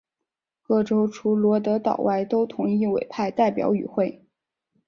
各州除罗德岛外都同意委派代表与会。